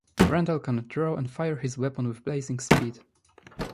Randall can draw and fire his weapon with blazing speed.